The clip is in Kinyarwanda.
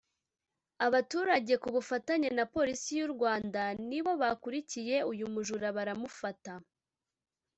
Abaturage ku bufatanye na Polisi y’u Rwanda nibo bakurikiye uyu mujura baramufata